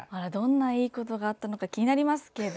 どんないいことがあったのか気になりますが。